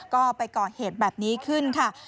ก็ไปก่อเหตุแบบนี้ขึ้นค่ะ